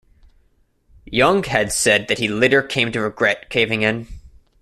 Young has said that he later came to regret caving in.